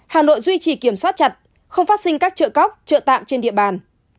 hà nội duy trì kiểm soát chặt không phát sinh các trợ cóc trợ tạm trên địa bàn